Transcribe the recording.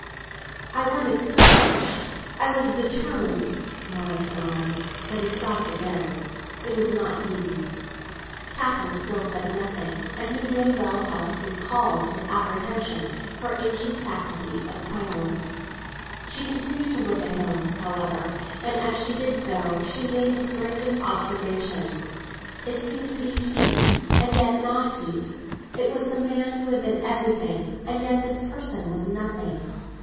"I wanted so much—I was determined," Morris went on. But he stopped again; it was not easy. Catherine still said nothing, and he may well have recalled with apprehension her ancient faculty of silence. She continued to look at him, however, and as she did so she made the strangest observation. It seemed to be he, and yet not he; it was the man who had been everything, and yet this person was nothing.